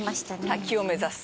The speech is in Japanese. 滝を目指す。